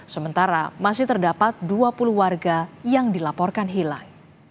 sementara masih terdapat dua puluh warga yang dilaporkan hilang